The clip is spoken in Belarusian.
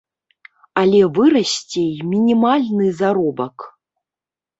Але вырасце і мінімальны заробак.